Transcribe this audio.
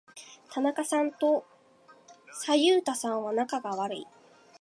田中さんと左右田さんは仲が悪い。